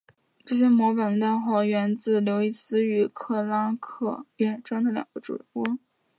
这些模块的代号源自于刘易斯与克拉克远征的两个主人翁。